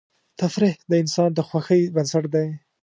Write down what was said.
تفریح د انسان د خوښۍ بنسټ دی.